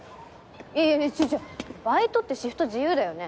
いやちょちょバイトってシフト自由だよね？